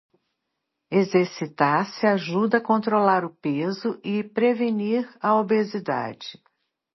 Exercitar-se ajuda a controlar o peso e prevenir a obesidade.